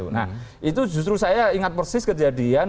nah itu justru saya ingat persis kejadian